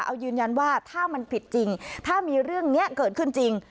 เอายืนยันว่าถ้ามันผิดจริงถ้ามีเรื่องนี้เกิดขึ้นจริง